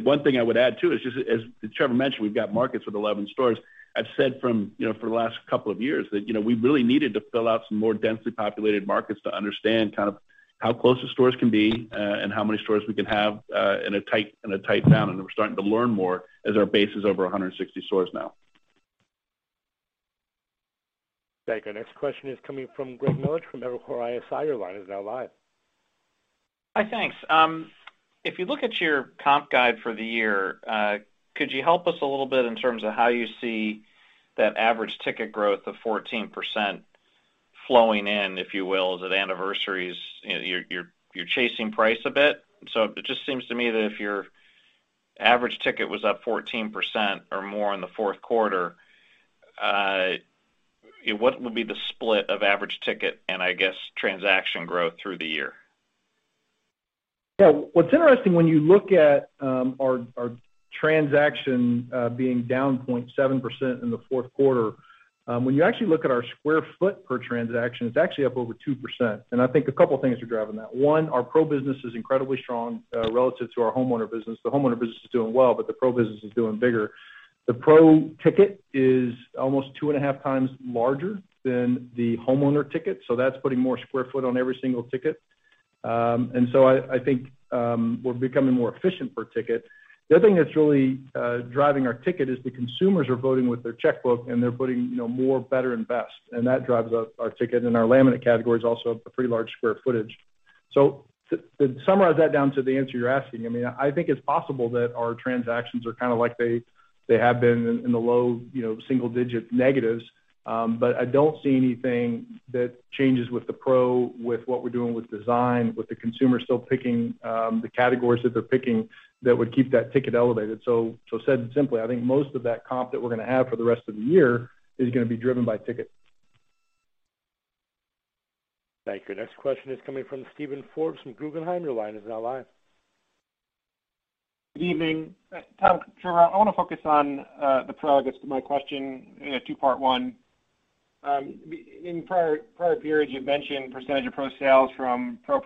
Speaker 1: One thing I would add, too, is just as Trevor mentioned, we've got markets with 11 stores. I've said from, you know, for the last couple of years that, you know, we really needed to fill out some more densely populated markets to understand kind of how close the stores can be, and how many stores we can have, in a tight town, and we're starting to learn more as our base is over 160 stores now.
Speaker 4: Thank you. Our next question is coming from Greg Melich from Evercore ISI. Your line is now live.
Speaker 10: Hi, thanks. If you look at your comp guide for the year, could you help us a little bit in terms of how you see that average ticket growth of 14% flowing in, if you will? Is it anniversaries? You know, you're chasing price a bit. It just seems to me that if your average ticket was up 14% or more in the 4th quarter, what would be the split of average ticket and I guess, transaction growth through the year?
Speaker 3: Yeah. What's interesting when you look at our transaction being down 0.7% in the 4th quarter, when you actually look at our square foot per transaction, it's actually up over 2%, and I think a couple things are driving that. One, our pro business is incredibly strong relative to our homeowner business. The homeowner business is doing well, but the pro business is doing bigger. The pro ticket is almost 2.5 times larger than the homeowner ticket, so that's putting more square foot on every single ticket. I think we're becoming more efficient per ticket. The other thing that's really driving our ticket is the consumers are voting with their checkbook, and they're putting, you know, more, better and best, and that drives up our ticket, and our laminate category is also a pretty large square footage. So to summarize that down to the answer you're asking, I mean, I think it's possible that our transactions are kind of like they have been in the low, you know, single digit negatives. But I don't see anything that changes with the pro, with what we're doing with design, with the consumer still picking the categories that they're picking that would keep that ticket elevated. So said and simply, I think most of that comp that we're gonna have for the rest of the year is gonna be driven by ticket.
Speaker 4: Thank you. Next question is coming from Steven Forbes from Guggenheim. Your line is now live.
Speaker 11: Good evening. Tom, Trevor, I wanna focus on the prelude to my question in a two-part one. In prior periods, you've mentioned percentage of PRO sales from PRO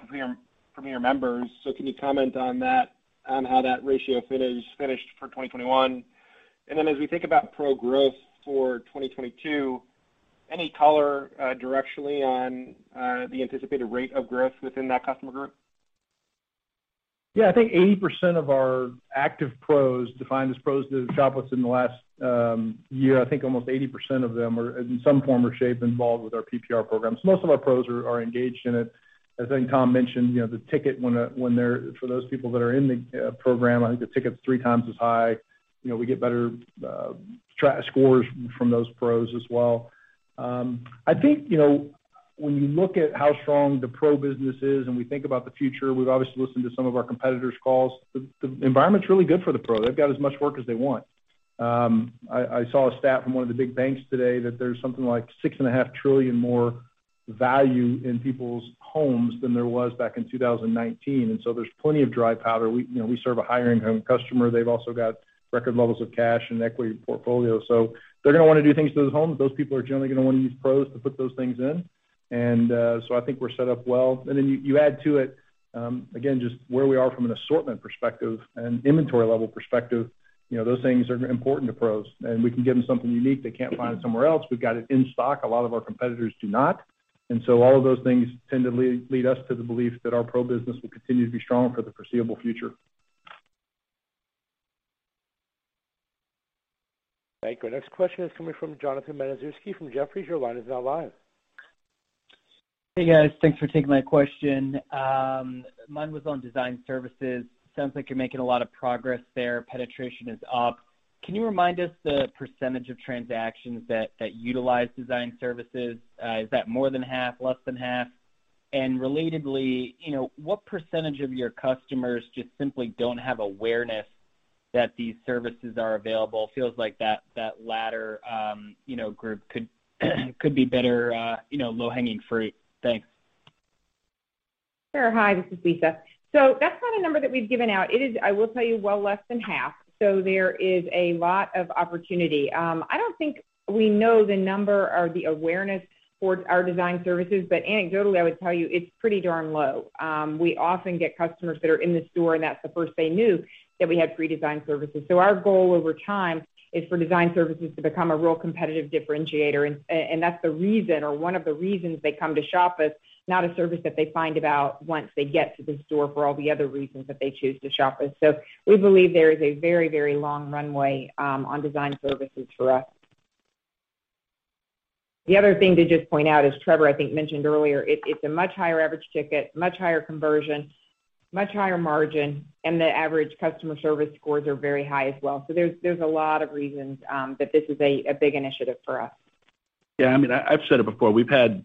Speaker 11: Premier members. So can you comment on that, on how that ratio finished for 2021? Then as we think about PRO growth for 2022, any color directionally on the anticipated rate of growth within that customer group?
Speaker 3: Yeah. I think 80% of our active pros, defined as pros that have shopped with us in the last year, I think almost 80% of them are in some form or shape involved with our PPR program. So most of our pros are engaged in it. As I think Tom mentioned, you know, the ticket for those people that are in the program is 3 times as high. You know, we get better track scores from those pros as well. I think, you know, when you look at how strong the pro business is and we think about the future, we've obviously listened to some of our competitors' calls. The environment's really good for the pro. They've got as much work as they want. I saw a stat from one of the big banks today that there's something like $6.5 trillion more value in people's homes than there was back in 2019, and there's plenty of dry powder. You know, we serve a higher income customer. They've also got record levels of cash and equity portfolio. They're gonna wanna do things to those homes. Those people are generally gonna wanna use pros to put those things in. I think we're set up well. You add to it, again, just where we are from an assortment perspective and inventory level perspective. You know, those things are important to pros, and we can give them something unique they can't find somewhere else. We've got it in stock, a lot of our competitors do not. All of those things tend to lead us to the belief that our pro business will continue to be strong for the foreseeable future.
Speaker 4: Thank you. Our next question is coming from Jonathan Matuszewski from Jefferies. Your line is now live.
Speaker 12: Hey, guys. Thanks for taking my question. Mine was on design services. Sounds like you're making a lot of progress there. Penetration is up. Can you remind us the percentage of transactions that utilize design services? Is that more than half? Less than half? And relatedly, you know, what percentage of your customers just simply don't have awareness that these services are available? Feels like that latter, you know, group could be better, you know, low-hanging fruit. Thanks.
Speaker 8: Sure. Hi, this is Lisa. That's not a number that we've given out. It is, I will tell you, well less than half. There is a lot of opportunity. I don't think we know the number or the awareness towards our design services, but anecdotally, I would tell you it's pretty darn low. We often get customers that are in the store, and that's the first they knew that we had free design services. Our goal over time is for design services to become a real competitive differentiator. That's the reason or one of the reasons they come to shop with, not a service that they find out about once they get to the store for all the other reasons that they choose to shop with. We believe there is a very, very long runway on design services for us. The other thing to just point out, as Trevor, I think, mentioned earlier, it's a much higher average ticket, much higher conversion, much higher margin, and the average customer service scores are very high as well. There's a lot of reasons that this is a big initiative for us.
Speaker 3: Yeah. I mean, I've said it before. We've had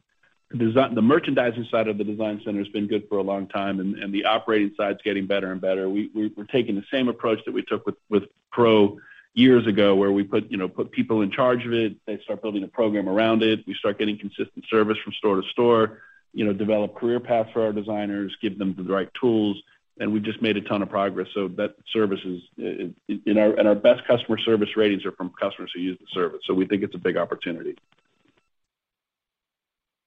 Speaker 3: the merchandising side of the design center has been good for a long time, and the operating side's getting better and better. We're taking the same approach that we took with Pro years ago, where we put people in charge of it. They start building a program around it. We start getting consistent service from store to store. You know, develop career paths for our designers, give them the right tools, and we've just made a ton of progress. So that service is, you know. Our best customer service ratings are from customers who use the service, so we think it's a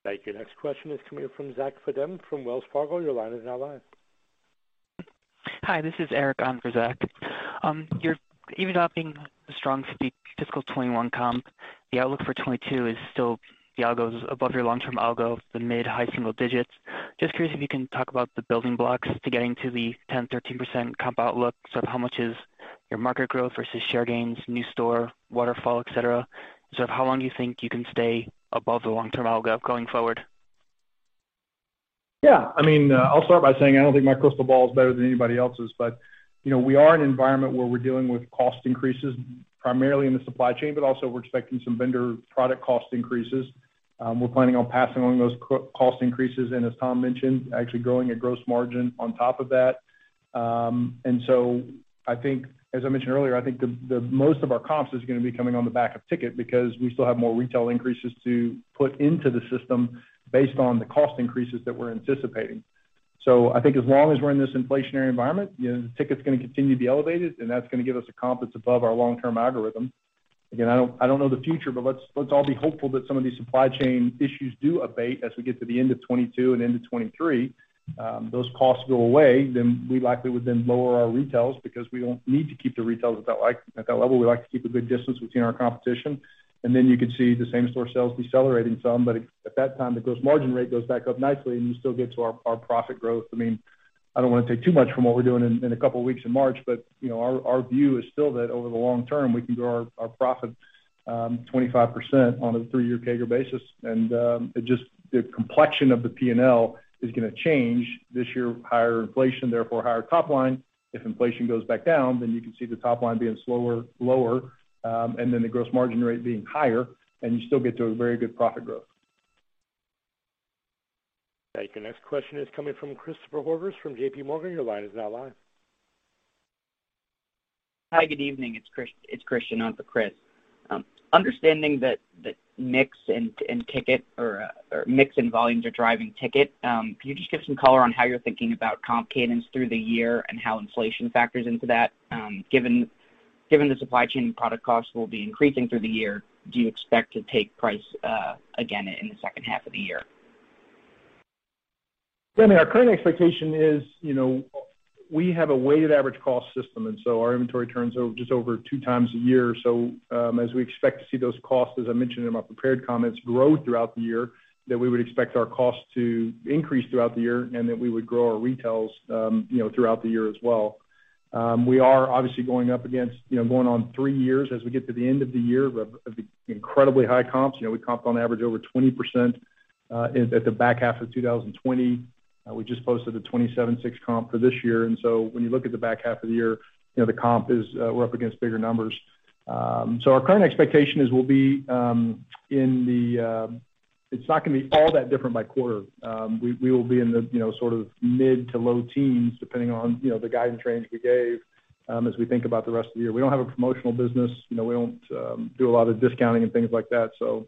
Speaker 3: big opportunity.
Speaker 4: Thank you. Next question is coming from Zach Fadem from Wells Fargo. Your line is now live.
Speaker 13: Hi, this is Eric on for Zach. You're even though having a strong fiscal 2021 comp, the outlook for 2022 is still the algos above your long-term algo, the mid-high single digits. Just curious if you can talk about the building blocks to getting to the 10%-13% comp outlook. How much is your market growth versus share gains, new store, waterfall, et cetera. How long do you think you can stay above the long-term algo going forward?
Speaker 3: Yeah. I mean, I'll start by saying I don't think my crystal ball is better than anybody else's, but, you know, we are in an environment where we're dealing with cost increases primarily in the supply chain, but also we're expecting some vendor product cost increases. We're planning on passing on those cost increases, and as Tom mentioned, actually growing a gross margin on top of that. I think, as I mentioned earlier, I think the most of our comps is gonna be coming on the back of ticket because we still have more retail increases to put into the system based on the cost increases that we're anticipating. I think as long as we're in this inflationary environment, you know, the ticket's gonna continue to be elevated, and that's gonna give us a comp that's above our long-term algorithm. Again, I don't know the future, but let's all be hopeful that some of these supply chain issues do abate as we get to the end of 2022 and into 2023. Those costs go away, then we likely would then lower our retails because we don't need to keep the retails at that like at that level. We like to keep a good distance between our competition. Then you could see the same store sales decelerating some, but at that time, the gross margin rate goes back up nicely, and you still get to our profit growth. I mean, I don't wanna take too much from what we're doing in a couple of weeks in March, but you know, our view is still that over the long term, we can grow our profit 25% on a three-year CAGR basis. It just the complexion of the P&L is gonna change. This year, higher inflation, therefore higher top line. If inflation goes back down, then you can see the top line being slower, lower, and then the gross margin rate being higher, and you still get to a very good profit growth.
Speaker 4: Thank you. Next question is coming from Christopher Horvers from JPMorgan. Your line is now live.
Speaker 14: Hi, good evening. It's Christian on for Chris. Understanding that mix and ticket or mix and volumes are driving ticket, can you just give some color on how you're thinking about comp cadence through the year and how inflation factors into that? Given the supply chain and product costs will be increasing through the year, do you expect to take price again in the second half of the year?
Speaker 3: Yeah, I mean, our current expectation is, you know, we have a weighted average cost system, and so our inventory turns over just over two times a year. As we expect to see those costs, as I mentioned in my prepared comments, grow throughout the year, then we would expect our costs to increase throughout the year and that we would grow our retails, you know, throughout the year as well. We are obviously going up against, you know, going on three years as we get to the end of the year of incredibly high comps. You know, we comped on average over 20% at the back half of 2020. We just posted a 27.6% comp for this year. When you look at the back half of the year, you know, the comp is, we're up against bigger numbers. Our current expectation is we'll be in the. It's not gonna be all that different by quarter. We will be in the, you know, sort of mid to low teens, depending on, you know, the guidance range we gave, as we think about the rest of the year. We don't have a promotional business. You know, we don't do a lot of discounting and things like that, so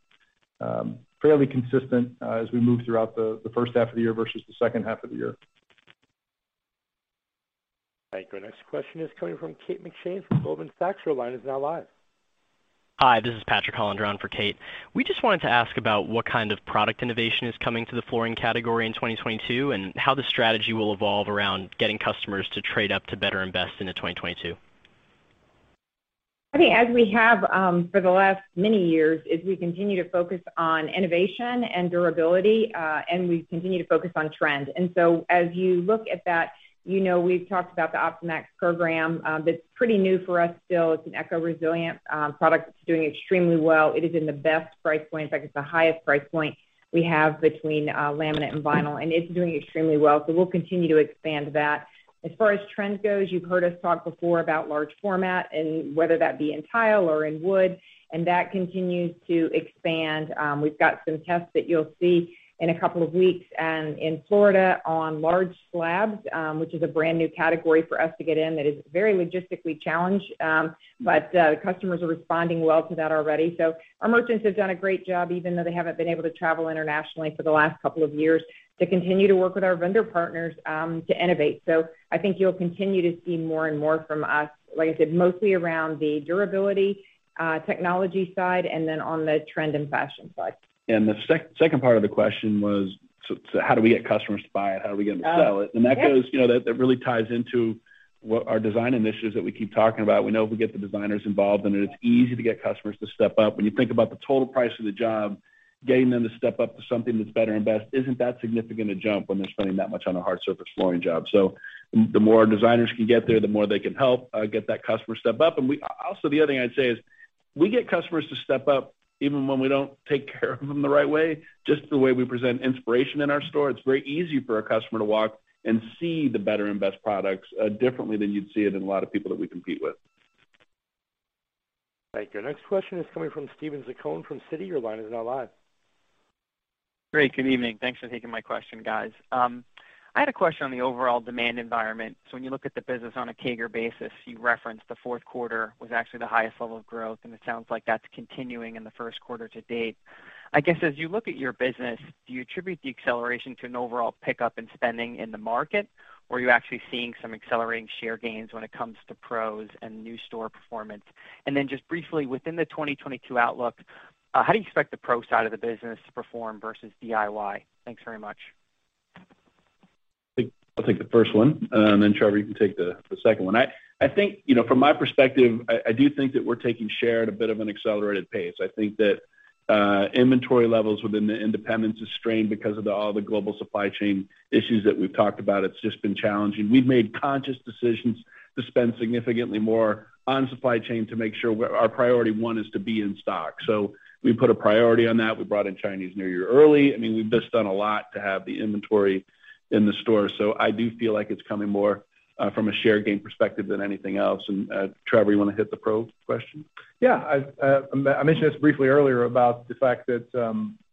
Speaker 3: fairly consistent, as we move throughout the first half of the year versus the second half of the year.
Speaker 4: Thank you. Our next question is coming from Kate McShane from Goldman Sachs. Your line is now live.
Speaker 15: Hi, this is Patrick Hollander calling for Kate. We just wanted to ask about what kind of product innovation is coming to the flooring category in 2022, and how the strategy will evolve around getting customers to trade up to better invest into 2022.
Speaker 8: I think as we have for the last many years, is we continue to focus on innovation and durability, and we continue to focus on trend. As you look at that, you know we've talked about the Optimax program, that's pretty new for us still. It's an eco-resilient product that's doing extremely well. It is in the best price point. In fact, it's the highest price point we have between laminate and vinyl, and it's doing extremely well. We'll continue to expand that. As far as trends goes, you've heard us talk before about large format and whether that be in tile or in wood, and that continues to expand. We've got some tests that you'll see in a couple of weeks, in Florida on large slabs, which is a brand-new category for us to get in that is very logistically challenged. The customers are responding well to that already. Our merchants have done a great job, even though they haven't been able to travel internationally for the last couple of years, to continue to work with our vendor partners, to innovate. I think you'll continue to see more and more from us, like I said, mostly around the durability, technology side, and then on the trend and fashion side.
Speaker 3: The second part of the question was so how do we get customers to buy it? How are we going to sell it?
Speaker 8: Oh, yeah.
Speaker 3: That goes, you know, that really ties into what our design initiatives that we keep talking about. We know if we get the designers involved in it's easy to get customers to step up. When you think about the total price of the job, getting them to step up to something that's better and best isn't that significant a jump when they're spending that much on a hard surface flooring job. The more our designers can get there, the more they can help get that customer step up. Also, the other thing I'd say is we get customers to step up even when we don't take care of them the right way, just the way we present inspiration in our store. It's very easy for a customer to walk and see the better and best products, differently than you'd see it in a lot of people that we compete with.
Speaker 4: Thank you. Our next question is coming from Steven Zaccone from Citi. Your line is now live.
Speaker 16: Great. Good evening. Thanks for taking my question, guys. I had a question on the overall demand environment. So when you look at the business on a CAGR basis, you referenced the 4th quarter was actually the highest level of growth, and it sounds like that's continuing in the 1st quarter to date. I guess, as you look at your business, do you attribute the acceleration to an overall pickup in spending in the market, or are you actually seeing some accelerating share gains when it comes to pros and new store performance? And then just briefly, within the 2022 outlook, how do you expect the pro side of the business to perform versus DIY? Thanks very much.
Speaker 1: I think I'll take the first one, and then Trevor, you can take the second one. I think, you know, from my perspective, I do think that we're taking share at a bit of an accelerated pace. I think that. Inventory levels within the industry is strained because of all the global supply chain issues that we've talked about. It's just been challenging. We've made conscious decisions to spend significantly more on supply chain to make sure our priority one is to be in stock. We put a priority on that. We brought in Chinese New Year early. I mean, we've just done a lot to have the inventory in the store. I do feel like it's coming more from a share gain perspective than anything else. Trevor, you wanna hit the pro question?
Speaker 3: Yeah. I mentioned this briefly earlier about the fact that,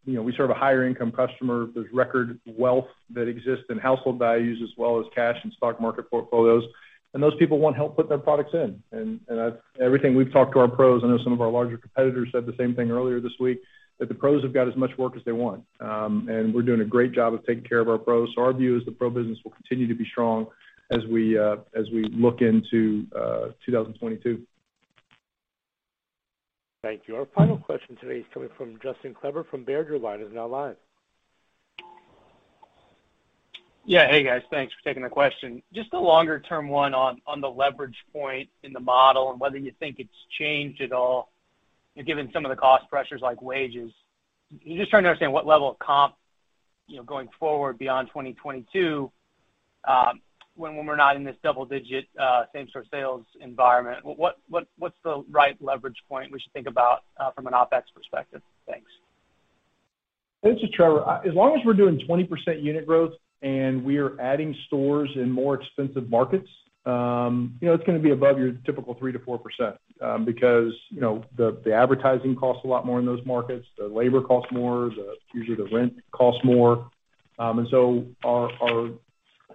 Speaker 3: you know, we serve a higher income customer. There's record wealth that exists in household values as well as cash and stock market portfolios. Those people want help putting their products in. Everything we've talked to our pros, I know some of our larger competitors said the same thing earlier this week, that the pros have got as much work as they want. We're doing a great job of taking care of our pros. Our view is the pro business will continue to be strong as we look into 2022.
Speaker 4: Thank you. Our final question today is coming from Justin Kleber from Baird. Your line is now live.
Speaker 17: Yeah. Hey, guys. Thanks for taking the question. Just a longer term one on the leverage point in the model and whether you think it's changed at all, given some of the cost pressures like wages. Just trying to understand what level of comp, you know, going forward beyond 2022, when we're not in this double digit same store sales environment. What's the right leverage point we should think about from an OpEx perspective? Thanks.
Speaker 3: This is Trevor. As long as we're doing 20% unit growth and we are adding stores in more expensive markets, you know, it's gonna be above your typical 3%-4%, because, you know, the advertising costs a lot more in those markets. The labor costs more. Usually the rent costs more. And so our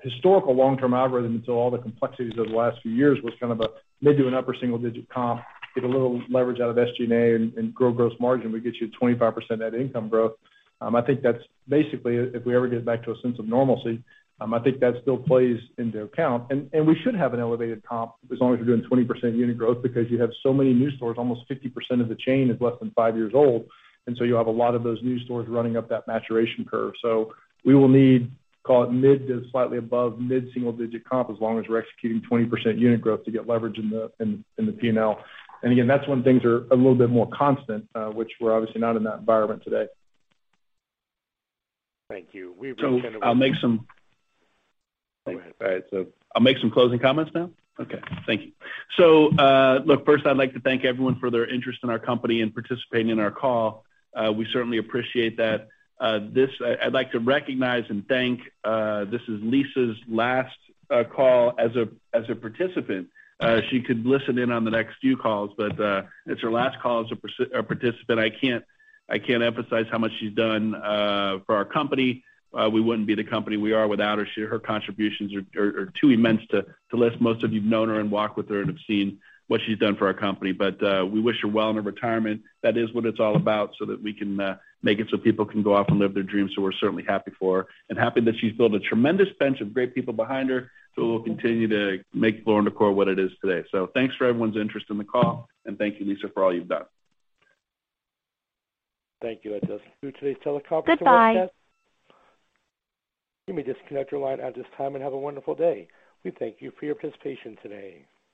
Speaker 3: historical long-term algorithm until all the complexities of the last few years was kind of a mid- to upper-single-digit comp. Get a little leverage out of SG&A and grow gross margin, we get you 25% net income growth. I think that's basically if we ever get back to a sense of normalcy, I think that still plays into account. We should have an elevated comp as long as we're doing 20% unit growth because you have so many new stores. Almost 50% of the chain is less than 5 years old, and you have a lot of those new stores running up that maturation curve. We will need, call it mid- to slightly above mid-single-digit comp as long as we're executing 20% unit growth to get leverage in the P&L. Again, that's when things are a little bit more constant, which we're obviously not in that environment today.
Speaker 4: Thank you. We appreciate-
Speaker 1: I'll make some-
Speaker 4: Go ahead.
Speaker 1: All right. I'll make some closing comments now. Okay. Thank you. Look, first I'd like to thank everyone for their interest in our company and participating in our call. We certainly appreciate that. I'd like to recognize and thank, this is Lisa's last call as a participant. She could listen in on the next few calls, but it's her last call as a participant. I can't emphasize how much she's done for our company. We wouldn't be the company we are without her. Her contributions are too immense to list. Most of you have known her and walked with her and have seen what she's done for our company. We wish her well in her retirement. That is what it's all about, so that we can make it so people can go off and live their dreams. We're certainly happy for her and happy that she's built a tremendous bench of great people behind her who will continue to make Floor & Decor what it is today. Thanks for everyone's interest in the call. Thank you, Lisa, for all you've done.
Speaker 4: Thank you. That does conclude today's teleconference website. Goodbye. You may disconnect your line at this time and have a wonderful day. We thank you for your participation today.